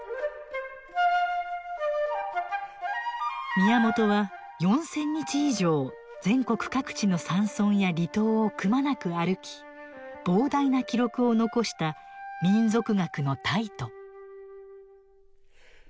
宮本は４，０００日以上全国各地の山村や離島をくまなく歩き膨大な記録を残した民俗学の泰斗。